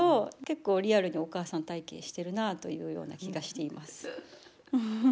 結構リアルにお母さん体験してるなというような気がしています。